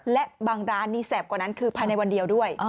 และบางร้านนี้แสบกว่านั้นคือภายในวันเดียวด้วย